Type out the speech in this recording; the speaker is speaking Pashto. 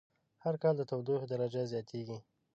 هر کال د تودوخی درجه زیاتیږی